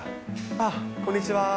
ああ、こんにちは。